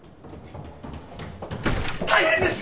・大変です！